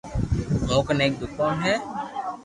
مون ڪني ايڪ دوڪون ھي